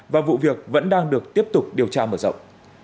và vụ việc vẫn đang được tiếp tục điều tra mở rộng